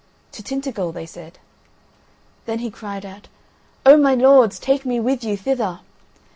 "To Tintagel," they said. Then he cried out: "Oh, my lords! take me with you thither!"